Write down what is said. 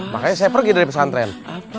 makanya saya pergi dari pesantren